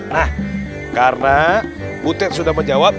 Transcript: nah karena butet sudah menjawab